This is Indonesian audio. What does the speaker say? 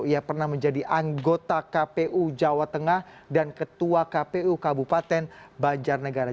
ia pernah menjadi anggota kpu jawa tengah dan ketua kpu kabupaten banjarnegara